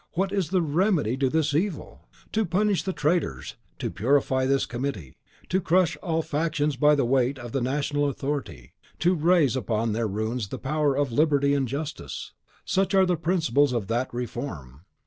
What is the remedy to this evil? To punish the traitors; to purify this committee; to crush all factions by the weight of the National Authority; to raise upon their ruins the power of Liberty and Justice. Such are the principles of that Reform.